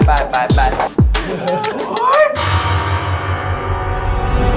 โอเคไปบ๊ายบาย